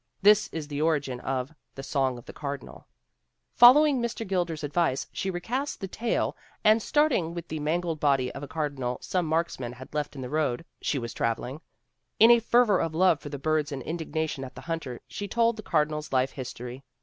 This is the origin of The Song of the Cardinal. "Following Mr. Gilder's advice, she recast the tale and, starting with the mangled body of a cardinal some marksman had left in the road she was travel ing, in a fervor of love for the birds and indignation at the hunter she told the cardinal's life history."